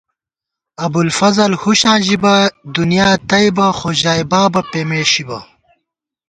ابُوالفضل ہُݭاں ژِبہ ، دُنیا تئیبہ خو ژائےبابہ پېمېشِبہ